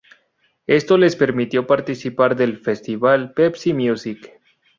Esto les permitió participar del Festival Pepsi Music.